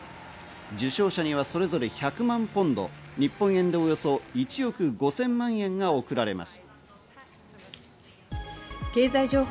受賞者にはそれぞれ１００万ポンド、日本円でおよそ１億５０００万円が贈られます。